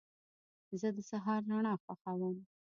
زه د سهار رڼا خوښوم.